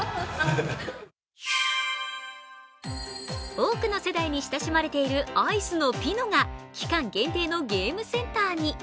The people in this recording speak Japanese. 多くの世代に親しまれているアイスのピノが期間限定のゲームセンターに。